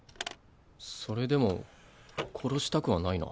それでも殺したくはないな。